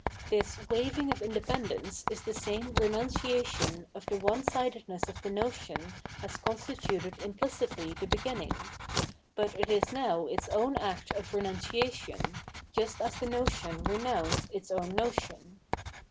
This waiving of independence is the same renunciation of the one sidedness of the notion as constituted implicitly the beginning ; but it is now its own act of renuncia tion, just as the notion renounced is its own notion.